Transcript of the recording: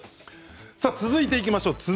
続いていきましょう。